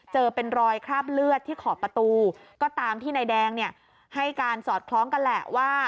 เจอเป็นรอยคราบเลือดที่ขอบประตูก็ตามที่นายแดงเนี่ยให้การสอดคล้องกันแหละว่า